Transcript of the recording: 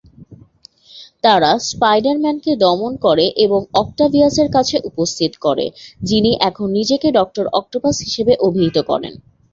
তারা স্পাইডার-ম্যান কে দমন করে এবং অক্টাভিয়াস-এর কাছে উপস্থিত করে, যিনি এখন নিজেকে ডক্টর অক্টোপাস হিসেবে অভিহিত করেন।